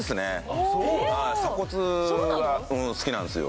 鎖骨が好きなんですよ